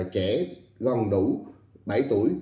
trẻ gần đủ bảy tuổi